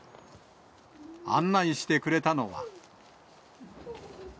案内してくれたのは。